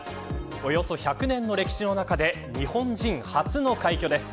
およそ１００年の歴史の中で日本人初の快挙です。